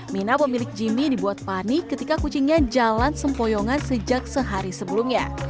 mina pemilik jimmy dibuat panik ketika kucingnya jalan sempoyongan sejak sehari sebelumnya